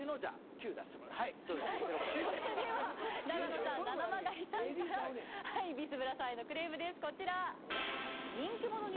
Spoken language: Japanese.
それでは永野さんななまがりさんからビスブラさんへのクレームですこちら。